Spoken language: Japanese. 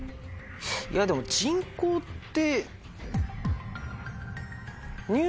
いやでも人口って。